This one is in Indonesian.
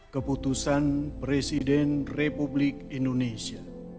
keputusan presiden republik indonesia